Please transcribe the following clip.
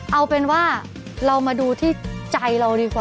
เอาเป็นว่าเรามาดูที่ใจเราดีกว่า